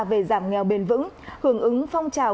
về giảm nghèo bền vững hưởng ứng phong trào